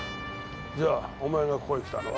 じゃあお前がここに来たのは？